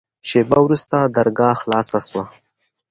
شېبه وروسته درګاه خلاصه سوه.